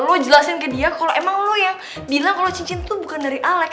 lo jelasin ke dia kalau emang lo yang bilang kalau cincin tuh bukan dari alex